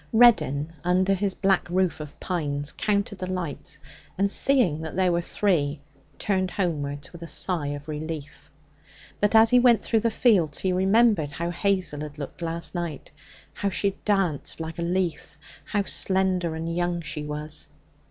Reddin, under his black roof of pines, counted the lights, and seeing that there were three, turned homewards with a sigh of relief. But as he went through the fields he remembered how Hazel had looked last night; how she had danced like a leaf; how slender and young she was.